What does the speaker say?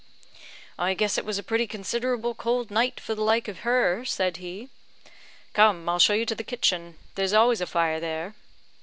"I guess it was a pretty considerable cold night for the like of her," said he. "Come, I'll show you to the kitchen; there's always a fire there."